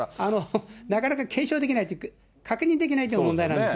なかなか検証できないというか、確認できないという問題なんです